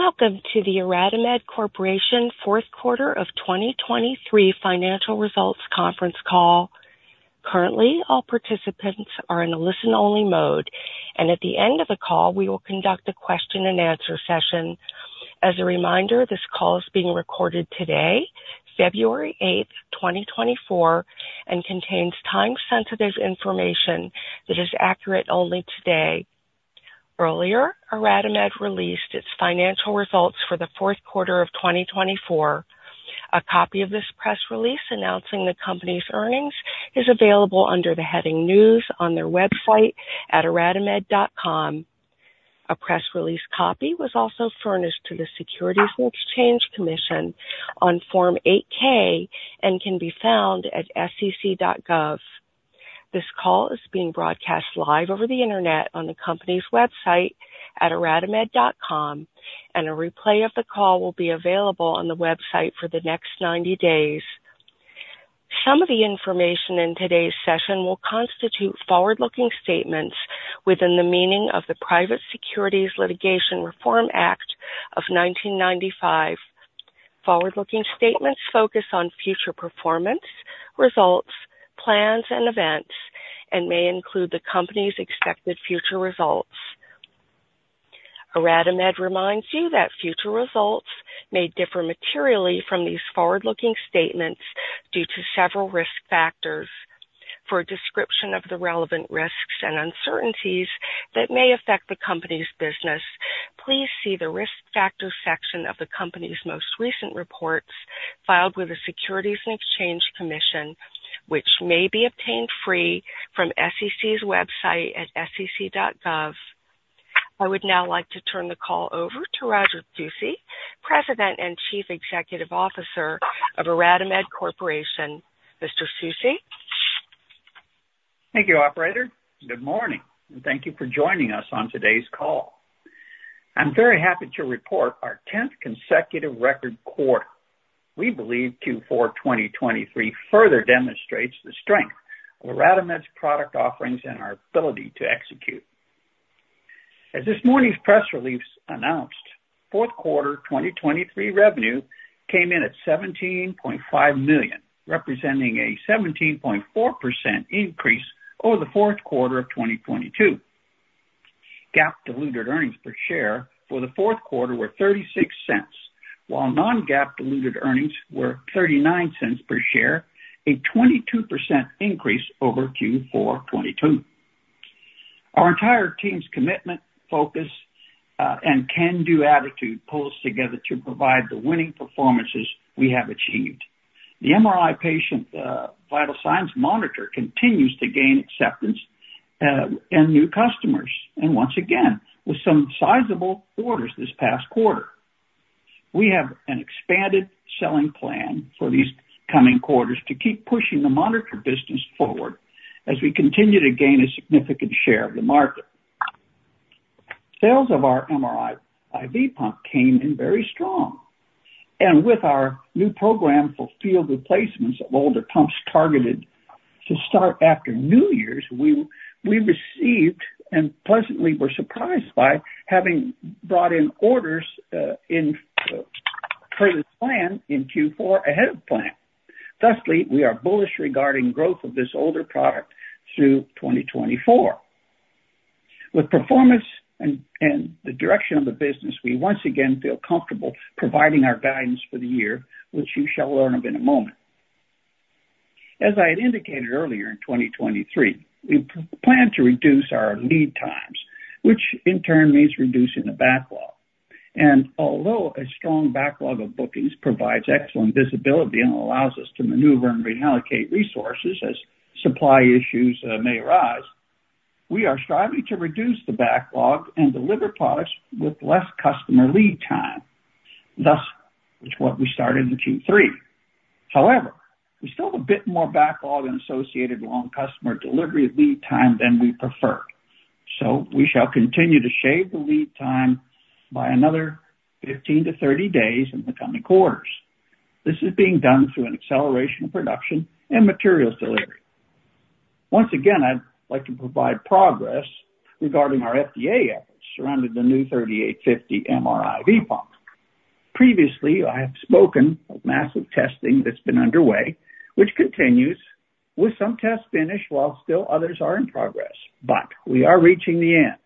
Welcome to the iRadimed Corporation fourth quarter of 2023 financial results conference call. Currently, all participants are in a listen-only mode, and at the end of the call, we will conduct a question-and-answer session. As a reminder, this call is being recorded today, February 8, 2024, and contains time-sensitive information that is accurate only today. Earlier, iRadimed released its financial results for the fourth quarter of 2024. A copy of this press release announcing the company's earnings is available under the heading News on their website at iradimed.com. A press release copy was also furnished to the Securities and Exchange Commission on Form 8-K and can be found at sec.gov. This call is being broadcast live over the Internet on the company's website at iradimed.com, and a replay of the call will be available on the website for the next 90 days. Some of the information in today's session will constitute forward-looking statements within the meaning of the Private Securities Litigation Reform Act of 1995. Forward-looking statements focus on future performance, results, plans, and events and may include the company's expected future results. IRADIMED reminds you that future results may differ materially from these forward-looking statements due to several risk factors. For a description of the relevant risks and uncertainties that may affect the company's business, please see the Risk Factors section of the company's most recent reports filed with the Securities and Exchange Commission, which may be obtained free from SEC's website at sec.gov. I would now like to turn the call over to Roger Susi, President and Chief Executive Officer of IRADIMED Corporation. Mr. Susi? Thank you, operator. Good morning, and thank you for joining us on today's call. I'm very happy to report our 10th consecutive record quarter. We believe Q4 2023 further demonstrates the strength of IRADIMED's product offerings and our ability to execute. As this morning's press release announced, fourth quarter 2023 revenue came in at $17.5 million, representing a 17.4% increase over the fourth quarter of 2022. GAAP diluted earnings per share for the fourth quarter were $0.36, while non-GAAP diluted earnings were $0.39 per share, a 22% increase over Q4 2022. Our entire team's commitment, focus, and can-do attitude pulled us together to provide the winning performances we have achieved. The MRI patient vital signs monitor continues to gain acceptance and new customers, and once again, with some sizable orders this past quarter. We have an expanded selling plan for these coming quarters to keep pushing the monitor business forward as we continue to gain a significant share of the market. Sales of our MRI IV pump came in very strong, and with our new program for field replacements of older pumps targeted to start after New Year's, we received and pleasantly were surprised by having brought in orders, in per the plan in Q4 ahead of plan. Thusly, we are bullish regarding growth of this older product through 2024. With performance and the direction of the business, we once again feel comfortable providing our guidance for the year, which you shall learn of in a moment. As I had indicated earlier, in 2023, we plan to reduce our lead times, which in turn means reducing the backlog. Although a strong backlog of bookings provides excellent visibility and allows us to maneuver and reallocate resources as supply issues may arise, we are striving to reduce the backlog and deliver products with less customer lead time. Thus, which is what we started in Q3. However, we still have a bit more backlog and associated long customer delivery lead time than we prefer, so we shall continue to shave the lead time by another 15-30 days in the coming quarters. This is being done through an acceleration of production and materials delivery. Once again, I'd like to provide progress regarding our FDA efforts surrounding the new 3870 MRI IV pump. Previously, I have spoken of massive testing that's been underway, which continues, with some tests finished while still others are in progress, but we are reaching the end.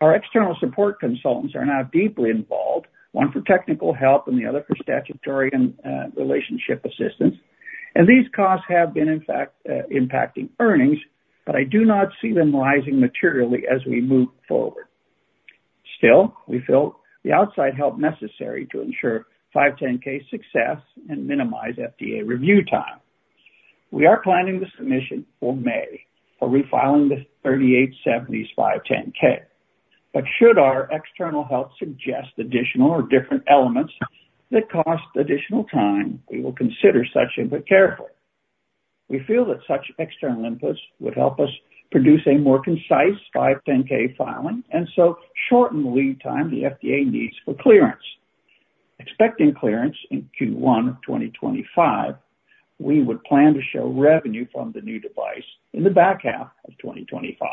Our external support consultants are now deeply involved, one for technical help and the other for statutory and, relationship assistance, and these costs have been, in fact, impacting earnings, but I do not see them rising materially as we move forward. Still, we feel the outside help necessary to ensure 510(k) success and minimize FDA review time. We are planning the submission for May for refiling the 3870's 510(k). But should our external help suggest additional or different elements that cost additional time, we will consider such input carefully. We feel that such external inputs would help us produce a more concise 510(k) filing and so shorten the lead time the FDA needs for clearance. Expecting clearance in Q1 of 2025, we would plan to show revenue from the new device in the back half of 2025.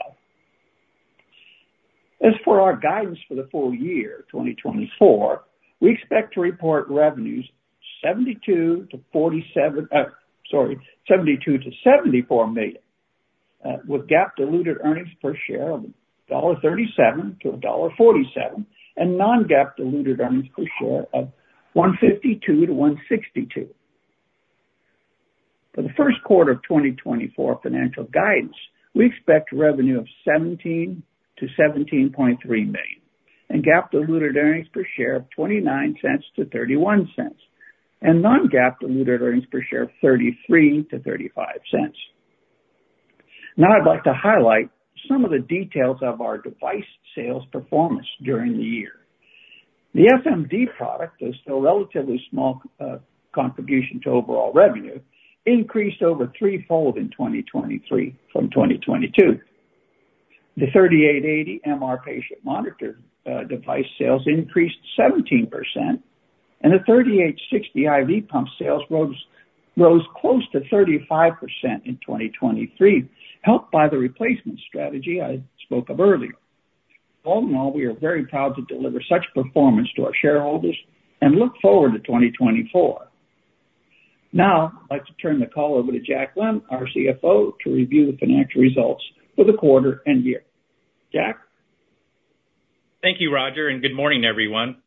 As for our guidance for the full year, 2024, we expect to report revenues $72 million-$74 million, with GAAP diluted earnings per share of $1.37-$1.47, and non-GAAP diluted earnings per share of $1.52-$1.62. For the first quarter of 2024 financial guidance, we expect revenue of $17 million-$17.3 million and GAAP diluted earnings per share of $0.29-$0.31, and non-GAAP diluted earnings per share of $0.33-$0.35. Now, I'd like to highlight some of the details of our device sales performance during the year. The SMD product is still a relatively small contribution to overall revenue, increased over threefold in 2023 from 2022. The 3880 MR patient monitor device sales increased 17%, and the 3860 IV pump sales rose close to 35% in 2023, helped by the replacement strategy I spoke of earlier. All in all, we are very proud to deliver such performance to our shareholders and look forward to 2024. Now, I'd like to turn the call over to Jack Glenn, our CFO, to review the financial results for the quarter and year. Jack? Thank you, Roger, and good morning, everyone.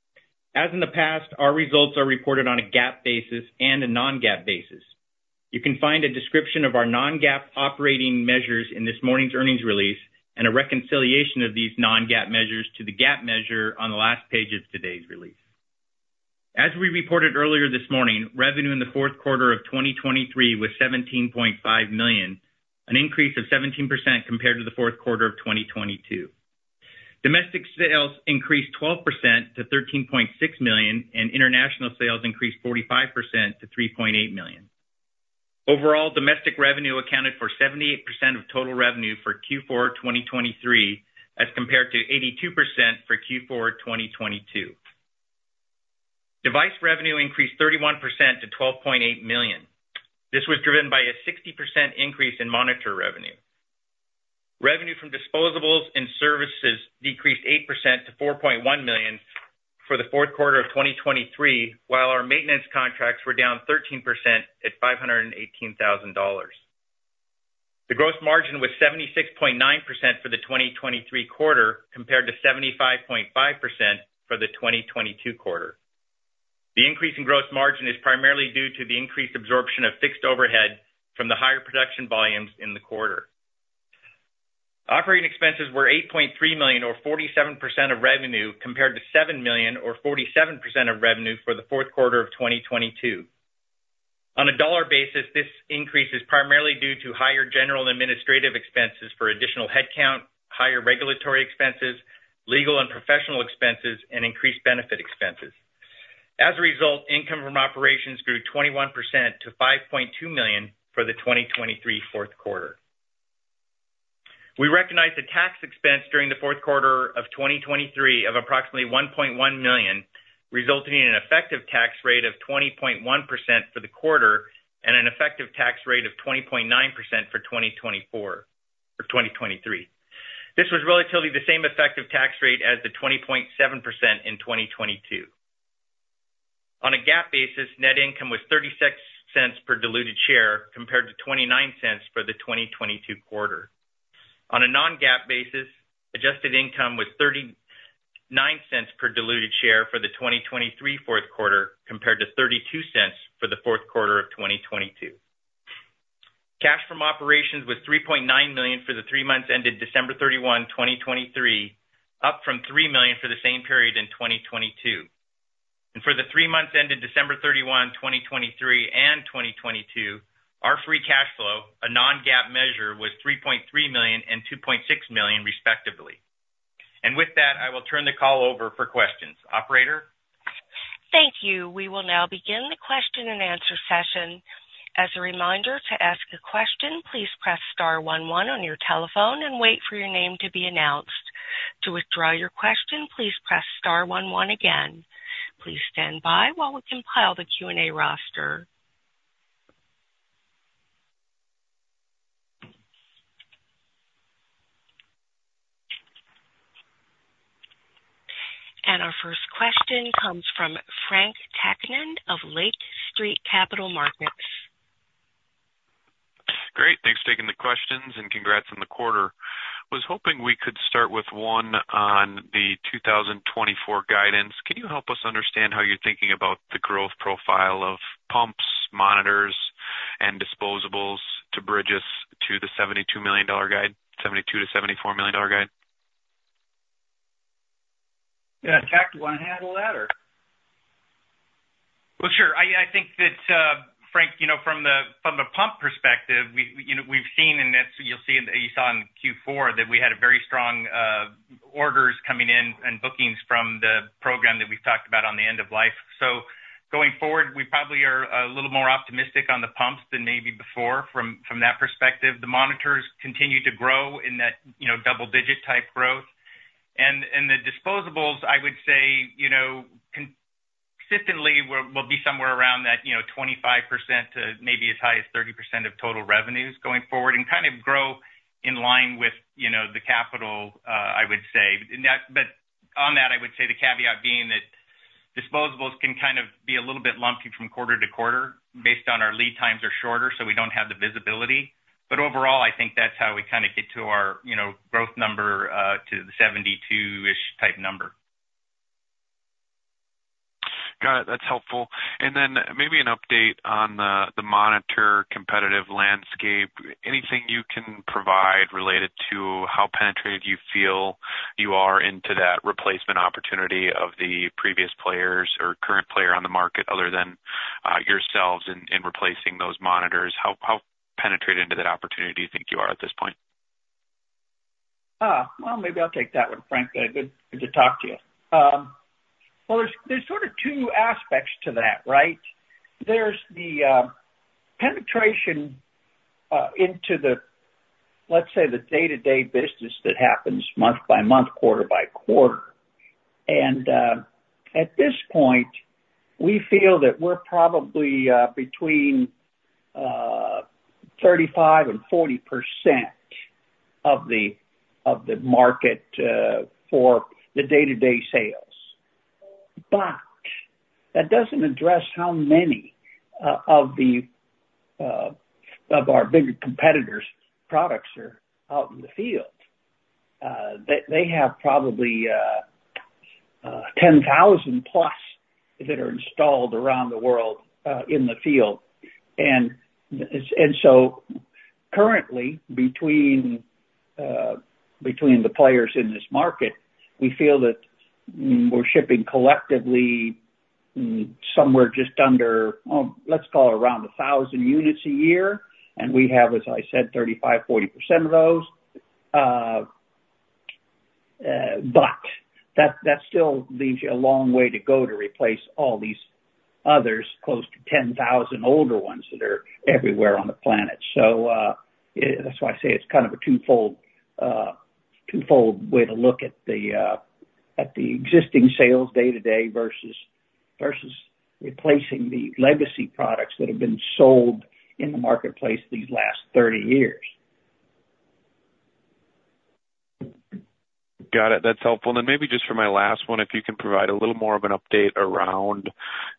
As in the past, our results are reported on a GAAP basis and a non-GAAP basis. You can find a description of our non-GAAP operating measures in this morning's earnings release and a reconciliation of these non-GAAP measures to the GAAP measure on the last page of today's release. As we reported earlier this morning, revenue in the fourth quarter of 2023 was $17.5 million, an increase of 17% compared to the fourth quarter of 2022. Domestic sales increased 12% to $13.6 million, and international sales increased 45% to $3.8 million. Overall, domestic revenue accounted for 78% of total revenue for Q4 2023, as compared to 82% for Q4 2022. Device revenue increased 31% to $12.8 million. This was driven by a 60% increase in monitor revenue. Revenue from disposables and services decreased 8% to $4.1 million for the fourth quarter of 2023, while our maintenance contracts were down 13% at $518,000. The gross margin was 76.9% for the 2023 quarter, compared to 75.5% for the 2022 quarter. The increase in gross margin is primarily due to the increased absorption of fixed overhead from the higher production volumes in the quarter. Operating expenses were $8.3 million, or 47% of revenue, compared to $7 million, or 47% of revenue for the fourth quarter of 2022. On a dollar basis, this increase is primarily due to higher general and administrative expenses for additional headcount, higher regulatory expenses, legal and professional expenses, and increased benefit expenses. As a result, income from operations grew 21% to $5.2 million for the 2023 fourth quarter. We recognized a tax expense during the fourth quarter of 2023 of approximately $1.1 million, resulting in an effective tax rate of 20.1% for the quarter and an effective tax rate of 20.9% for 2024- for 2023. This was relatively the same effective tax rate as the 20.7% in 2022. On a GAAP basis, net income was $0.36 per diluted share, compared to $0.29 for the 2022 quarter. On a non-GAAP basis, adjusted income was $0.39 per diluted share for the 2023 fourth quarter, compared to $0.32 for the fourth quarter of 2022. Cash from operations was $3.9 million for the three months ended December 31, 2023, up from $3 million for the same period in 2022. And for the three months ended December 31, 2023 and 2022, our free cash flow, a non-GAAP measure, was $3.3 million and $2.6 million, respectively. And with that, I will turn the call over for questions. Operator? Thank you. We will now begin the question-and-answer session. As a reminder, to ask a question, please press star one one on your telephone and wait for your name to be announced. To withdraw your question, please press star one one again. Please stand by while we compile the Q&A roster. And our first question comes from Frank Takkinen of Lake Street Capital Markets. Great, thanks for taking the questions, and congrats on the quarter. Was hoping we could start with one on the 2024 guidance. Can you help us understand how you're thinking about the growth profile of pumps, monitors, and disposables to bridge us to the $72 million guide—$72-$74 million guide? Yeah, Jack, do you want to handle that, or? Well, sure. I think that, Frank, you know, from the pump perspective, we, you know, we've seen, and that's, you'll see in - you saw in Q4 that we had a very strong orders coming in and bookings from the program that we've talked about on the end of life. So. Going forward, we probably are a little more optimistic on the pumps than maybe before from that perspective. The monitors continue to grow in that, you know, double digit type growth. And the disposables, I would say, you know, consistently will be somewhere around that, you know, 25% to maybe as high as 30% of total revenues going forward, and kind of grow in line with, you know, the capital, I would say. But on that, I would say the caveat being that disposables can kind of be a little bit lumpy from quarter to quarter based on our lead times are shorter, so we don't have the visibility. But overall, I think that's how we kind of get to our, you know, growth number, to the 72-ish type number. Got it. That's helpful. And then maybe an update on the monitor competitive landscape. Anything you can provide related to how penetrated you feel you are into that replacement opportunity of the previous players or current player on the market other than yourselves in replacing those monitors? How penetrated into that opportunity do you think you are at this point? Well, maybe I'll take that one, Frank. Good to talk to you. Well, there's sort of two aspects to that, right? There's the penetration into the, let's say, the day-to-day business that happens month by month, quarter by quarter. And at this point, we feel that we're probably between 35% and 40% of the market for the day-to-day sales. But that doesn't address how many of our bigger competitors' products are out in the field. They have probably 10,000 plus that are installed around the world in the field. And so currently, between the players in this market, we feel that we're shipping collectively somewhere just under, let's call it around 1,000 units a year. We have, as I said, 35%-40% of those. But that still leaves you a long way to go to replace all these others, close to 10,000 older ones that are everywhere on the planet. So, that's why I say it's kind of a twofold, twofold way to look at the, at the existing sales day-to-day versus replacing the legacy products that have been sold in the marketplace these last 30 years. Got it. That's helpful. Then maybe just for my last one, if you can provide a little more of an update around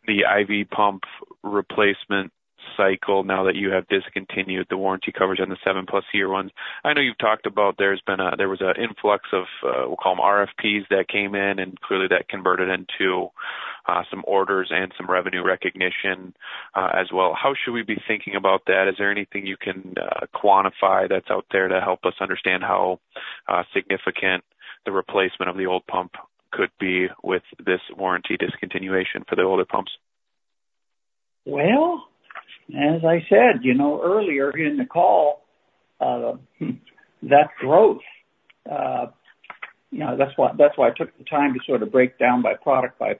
the IV pump replacement cycle now that you have discontinued the warranty coverage on the seven-plus-year ones. I know you've talked about there's been an influx of, we'll call them RFPs that came in, and clearly that converted into some orders and some revenue recognition, as well. How should we be thinking about that? Is there anything you can quantify that's out there to help us understand how significant the replacement of the old pump could be with this warranty discontinuation for the older pumps? Well, as I said, you know, earlier in the call, that growth, you know, that's why, that's why I took the time to sort of break down by product by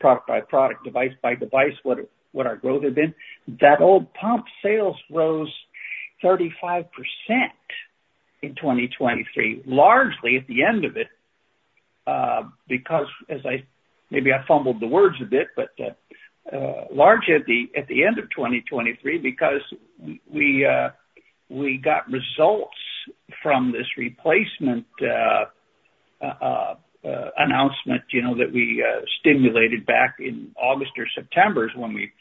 product, by product, device by device, what our growth had been. That old pump sales rose 35% in 2023, largely at the end of it, because as I... Maybe I fumbled the words a bit, but, largely at the end of 2023, because we got results from this replacement announcement, you know, that we stimulated back in August or September, is when we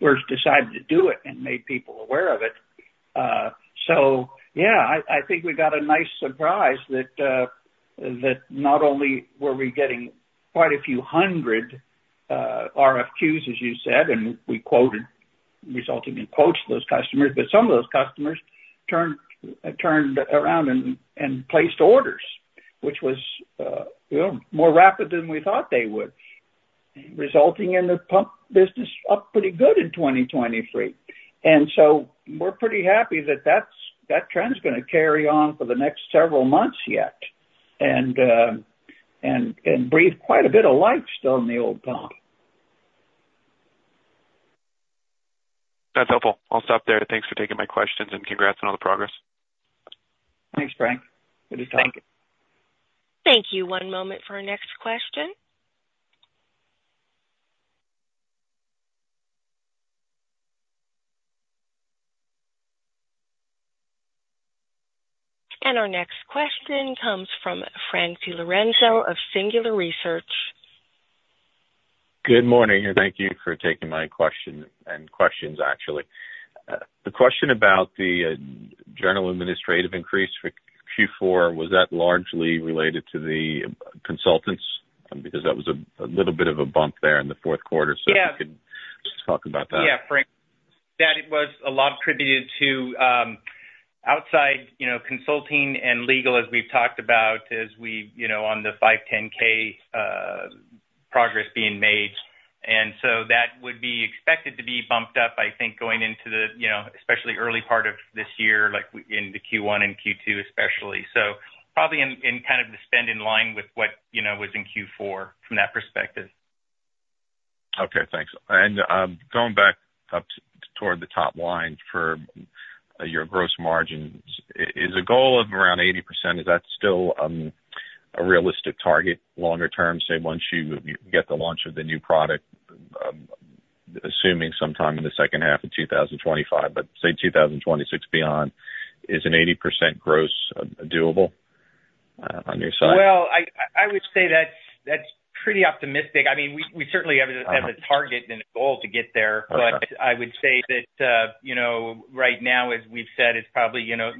first decided to do it and made people aware of it. So yeah, I think we got a nice surprise that not only were we getting quite a few hundred RFQs, as you said, and we quoted, resulting in quotes to those customers, but some of those customers turned around and placed orders, which was, you know, more rapid than we thought they would, resulting in the pump business up pretty good in 2023. And so we're pretty happy that that trend's gonna carry on for the next several months yet and breathe quite a bit of life still in the old pump. That's helpful. I'll stop there. Thanks for taking my questions, and congrats on all the progress. Thanks, Frank. Good to talk. Thank you. Thank you. One moment for our next question. Our next question comes from Frank DiLorenzo of Singular Research. Good morning, and thank you for taking my question, and questions, actually. The question about the general administrative increase for Q4, was that largely related to the consultants? Because that was a little bit of a bump there in the fourth quarter. Yeah. So if you could just talk about that. Yeah, Frank, that it was a lot attributed to, outside, you know, consulting and legal, as we've talked about, as we, you know, on the 5, 10-K, progress being made. And so that would be expected to be bumped up, I think, going into the, you know, especially early part of this year, like in the Q1 and Q2 especially. Probably in, in kind of the spend in line with what, you know, was in Q4 from that perspective. Okay, thanks. And, going back up toward the top line for your gross margins, is a goal of around 80%, is that still a realistic target longer term, say, once you get the launch of the new product, assuming sometime in the second half of 2025, but say 2026 beyond, is an 80% gross doable on your side? Well, I would say that's pretty optimistic. I mean, we certainly have a target and a goal to get there. Okay. But I would say that, you know, right now, as we've said, it's probably, you know,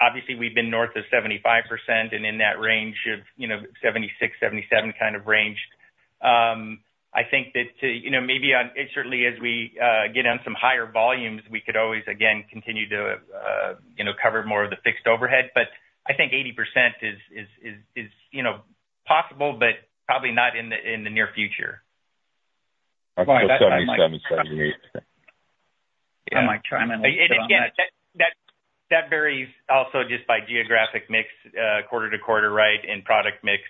obviously we've been north of 75% and in that range of, you know, 76, 77 kind of range. I think that, you know, maybe on- certainly as we get on some higher volumes, we could always again, continue to, you know, cover more of the fixed overhead. But I think 80% is, you know, possible, but probably not in the near future. 77, 78. I might try my luck on that. Again, that varies also just by geographic mix, quarter to quarter, right, and product mix.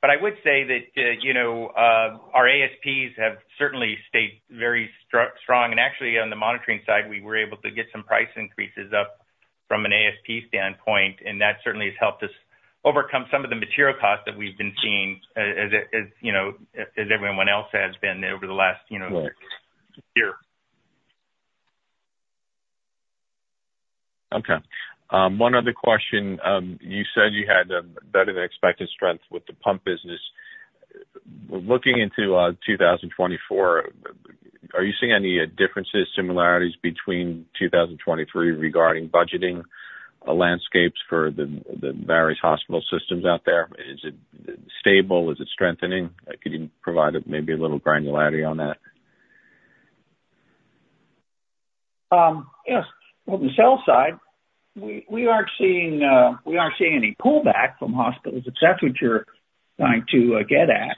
But I would say that, you know, our ASPs have certainly stayed very strong. And actually, on the monitoring side, we were able to get some price increases up from an ASP standpoint, and that certainly has helped us overcome some of the material costs that we've been seeing as, you know, as everyone else has been over the last, you know, year. Okay. One other question. You said you had a better than expected strength with the pump business. Looking into 2024, are you seeing any differences, similarities between 2023 regarding budgeting landscapes for the various hospital systems out there? Is it stable? Is it strengthening? Could you provide maybe a little granularity on that? Yes. On the sales side, we aren't seeing any pullback from hospitals, if that's what you're trying to get at,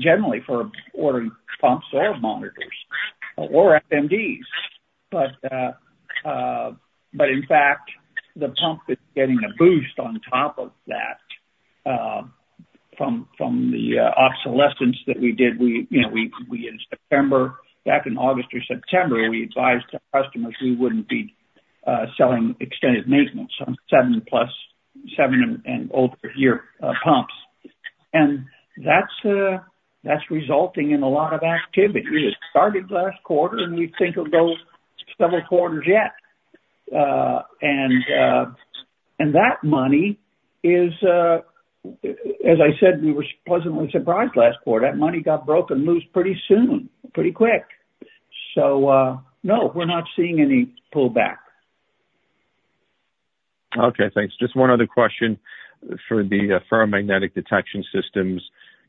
generally, for ordering pumps or monitors or FMDs. But in fact, the pump is getting a boost on top of that, from the obsolescence that we did. We, you know, in September, back in August or September, we advised customers we wouldn't be selling extended maintenance on 7-plus, 7- and older-year pumps. And that's resulting in a lot of activity. It started last quarter, and we think it'll go several quarters yet. And that money is, as I said, we were pleasantly surprised last quarter. That money got broken loose pretty soon, pretty quick. So, no, we're not seeing any pullback. Okay, thanks. Just one other question. For the Ferromagnetic Detection Systems,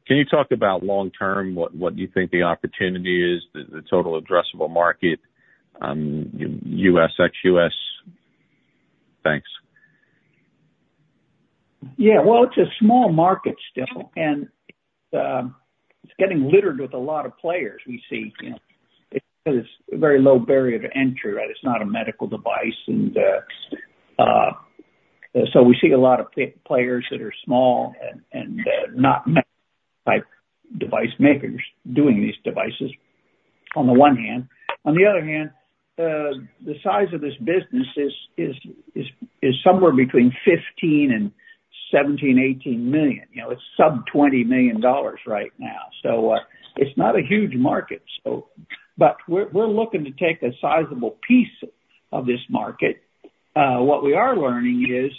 can you talk about long-term, what you think the opportunity is, the total addressable market, U.S., ex-U.S.? Thanks. Yeah, well, it's a small market still, and it's getting littered with a lot of players. We see, you know, it's a very low barrier to entry, right? It's not a medical device. And so we see a lot of players that are small and not medical-type device makers doing these devices, on the one hand. On the other hand, the size of this business is somewhere between 15 and 17, 18 million. You know, it's sub $20 million right now. So it's not a huge market. But we're looking to take a sizable piece of this market. What we are learning is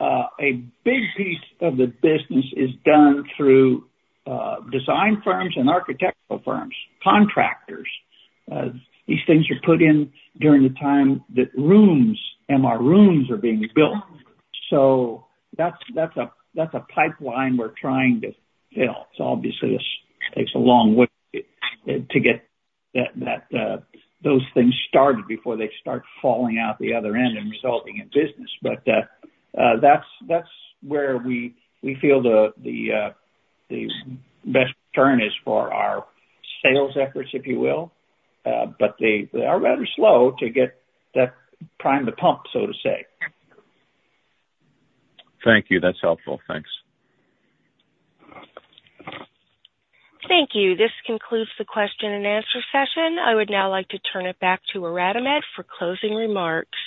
a big piece of the business is done through design firms and architectural firms, contractors. These things are put in during the time that rooms, MR rooms are being built. So that's a pipeline we're trying to fill. So obviously, this takes a long way to get those things started before they start falling out the other end and resulting in business. But that's where we feel the best return is for our sales efforts, if you will. But they are rather slow to get that prime to pump, so to say. Thank you. That's helpful. Thanks. Thank you. This concludes the question and answer session. I would now like to turn it back to IRadimed for closing remarks.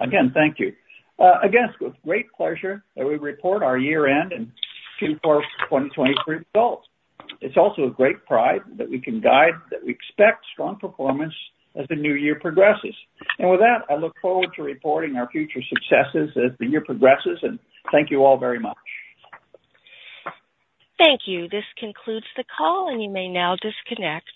Again, thank you. Again, it's with great pleasure that we report our year-end and Q4 2023 results. It's also a great pride that we can guide, that we expect strong performance as the new year progresses. With that, I look forward to reporting our future successes as the year progresses, and thank you all very much. Thank you. This concludes the call, and you may now disconnect.